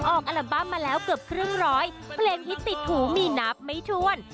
อัลบั้มมาแล้วเกือบครึ่งร้อยเพลงฮิตติดหูมีนับไม่ถ้วน